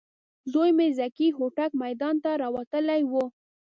زوی مې ذکي هوتک میدان ته راوتلی و.